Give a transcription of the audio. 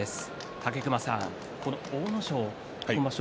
武隈さん、阿武咲、今場所